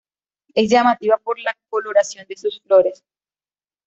Es llamativa por la coloración de sus flores.